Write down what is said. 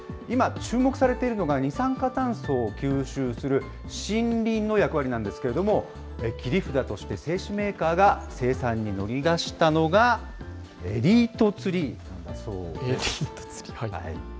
今、注目されているのが、二酸化炭素を吸収する森林の役割なんですけれども、切り札として製紙メーカーが生産に乗り出したのが、エリートツリーだそうです。